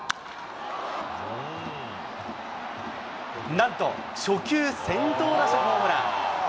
なんと初球先頭打者ホームラン。